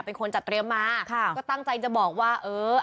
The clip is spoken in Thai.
เป็นคนจัดเตรียมมาค่ะก็ตั้งใจจะบอกว่าเออ